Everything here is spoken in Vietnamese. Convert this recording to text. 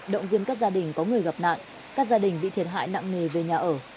động viên các gia đình có người gặp nạn các gia đình bị thiệt hại nặng nề về nhà ở